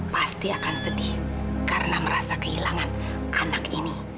pasti akan sedih karena merasa kehilangan anak ini